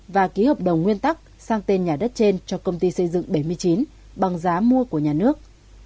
và ký hợp đồng nguyên tắc sang tên nhà đất trên cho công ty xây dựng bảy mươi chín bằng giá mua của nhà nước